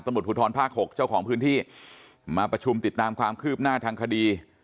ตำรวจภูทรภาค๖เจ้าของพื้นที่มาประชุมติดตามความคืบหน้าทางคดี